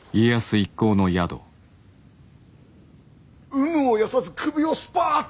有無を言わさず首をスパッと！